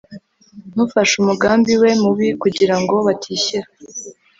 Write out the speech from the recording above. ntufashe umugambi we mubi kugira ngo batishyira